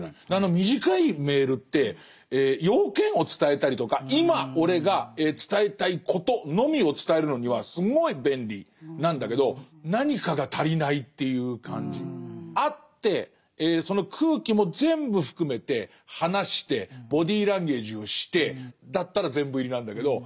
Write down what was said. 短いメールって用件を伝えたりとか今俺が伝えたいことのみを伝えるのにはすごい便利なんだけど何かが足りないっていう感じ。会ってその空気も全部含めて話してボディーランゲージをしてだったら全部入りなんだけど。